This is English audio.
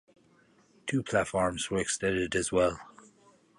Two platforms were extended as well.